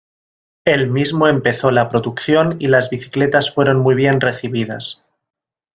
Él mismo empezó la producción y las bicicletas fueron muy bien recibidas.